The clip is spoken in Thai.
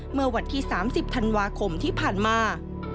เมื่อวันที่๓๐ธันวาคมที่ผ่านมา